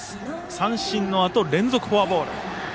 三振のあと、連続フォアボール。